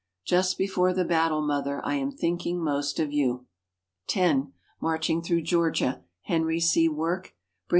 "Just before the battle, mother, I am thinking most of you." (10) Marching Through Georgia. Henry C. Work.